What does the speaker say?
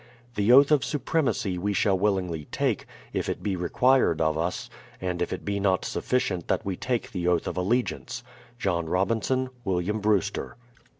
The Oath of Supremacy we shall willingly take, if it be required of us, and if it be not sufficient that we take the Oath of Allegiance. JOHN ROBINSON. WILLIAM BREWSTER.